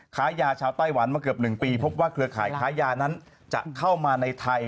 ค้ายาชาวไต้หวันมาเกือบ๑ปีพบว่าเครือข่ายค้ายานั้นจะเข้ามาในไทย